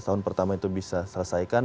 setahun pertama itu bisa selesaikan